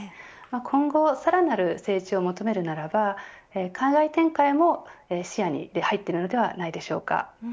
今後さらなる成長を求めるなら海外展開も視野に入っているのではないでしょうか。